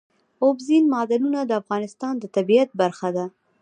اوبزین معدنونه د افغانستان د طبیعت برخه ده.